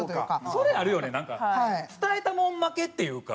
それあるよねなんか伝えたもん負けっていうか。